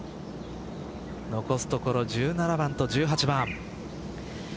残すところ１７番と１８番。